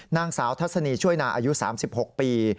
นางสาวทัศนีช่วยนาอายุ๓๖ปี